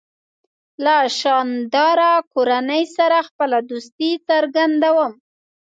له شانداره کورنۍ سره خپله دوستي څرګندوم.